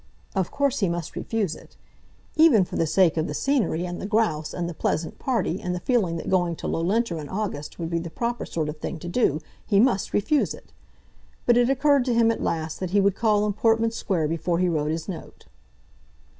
Of course he must refuse it. Even for the sake of the scenery, and the grouse, and the pleasant party, and the feeling that going to Loughlinter in August would be the proper sort of thing to do, he must refuse it! But it occurred to him at last that he would call in Portman Square before he wrote his note.